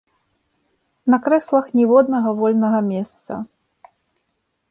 На крэслах ніводнага вольнага месца.